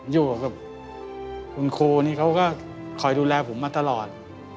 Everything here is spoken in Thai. อยู่กับคุณครูนี่เขาก็คอยดูแลผมมาตลอด